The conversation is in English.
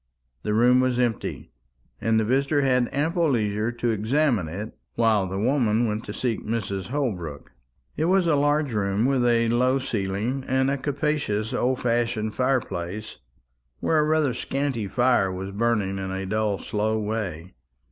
The room was empty, and the visitor had ample leisure to examine it while the woman went to seek Mrs. Holbrook. It was a large room with a low ceiling, and a capacious old fashioned fire place, where a rather scanty fire was burning in a dull slow way.